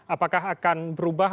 apakah akan berubah atau jangan berubah